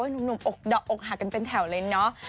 หนุ่มอกหากันเป็นแถวเล้นเนาะ